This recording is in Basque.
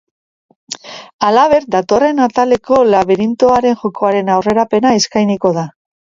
Halaber, datorren ataleko labirintoaren jokoaren aurrerapena eskainiko da.